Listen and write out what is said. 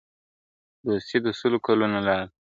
دوستي د سلو کلونو لار ده ..